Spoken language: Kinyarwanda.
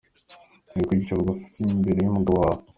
Menya kwicisha bugufi imbere y’umugabo wawe.